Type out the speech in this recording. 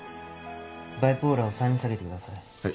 バイポーラーを３に下げてください。